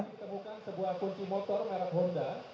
apa aspirasinya kepada presiden begitu mila